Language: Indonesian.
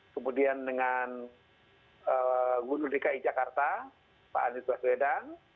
kemudian dengan guru dki jakarta pak andries baswedan